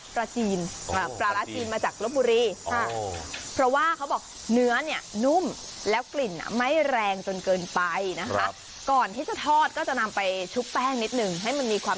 ปลาจีนอ่ะอะไรที่มาจากล้อบบุรีตอบ๑๒บอกเนื้อเนี่ยนุ่มแล้วกลิ่นไม่แรงจนเกินไปนะครับก่อนท่นทอดก็จะนำไปชุบแป้งนิดนึงให้มันมีความ